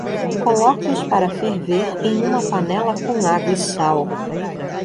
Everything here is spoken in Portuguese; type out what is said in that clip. Coloque-os para ferver em uma panela com água e sal.